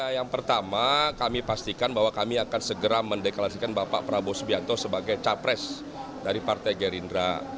yang pertama kami pastikan bahwa kami akan segera mendeklarasikan bapak prabowo subianto sebagai capres dari partai gerindra